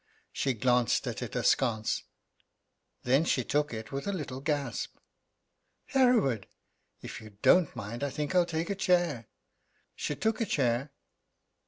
She glanced at it, askance. Then she took it with a little gasp. "Hereward, if you don't mind, I think I'll take a chair." She took a chair.